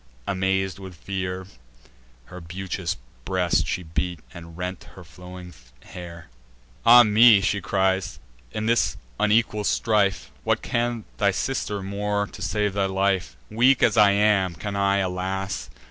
Amaz'd with fear, Her beauteous breast she beat, and rent her flowing hair. "Ah me!" she cries, "in this unequal strife What can thy sister more to save thy life? Weak as I am, can I, alas!